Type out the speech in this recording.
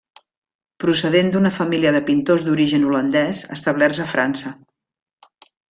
Procedent d'una família de pintors d'origen holandès establerts a França.